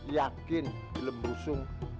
yakin belum rusung